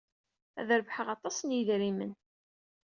Ad d-rebḥeɣ aṭas n yidrimen.